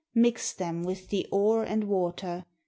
Mixed them with the ore and water.